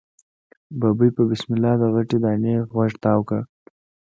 ببۍ په بسم الله د غټې دانی غوږ تاو کړ.